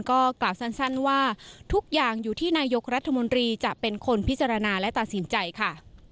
ก็กล่าวสั้นว่าทุกอย่างอยู่ที่นายกรัฐมนตรีจะเป็นคนพิจารณาและตัดสินใจค่ะ